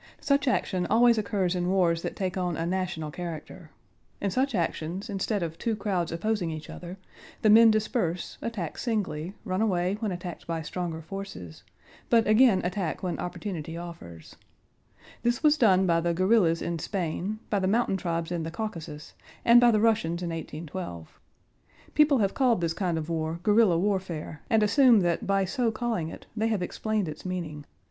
Such action always occurs in wars that take on a national character. In such actions, instead of two crowds opposing each other, the men disperse, attack singly, run away when attacked by stronger forces, but again attack when opportunity offers. This was done by the guerrillas in Spain, by the mountain tribes in the Caucasus, and by the Russians in 1812. People have called this kind of war "guerrilla warfare" and assume that by so calling it they have explained its meaning.